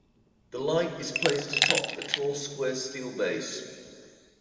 The light is placed atop a tall square steel base.